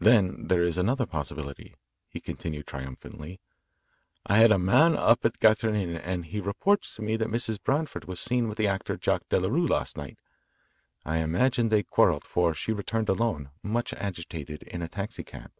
Then there is another possibility," he continued triumphantly. "I had a man up at the Grattan Inn, and he reports to me that Mrs. Branford was seen with the actor Jack Delarue last night. I imagine they quarrelled, for she returned alone, much agitated, in a taxi cab.